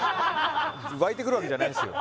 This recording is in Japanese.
湧いてくるわけじゃないんすよ